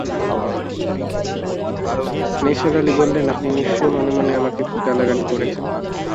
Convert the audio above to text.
নিসার আলি বললেন, আপনি নিশ্চয়ই মনে-মনে আমাকে খুব গালাগালি করেছেন।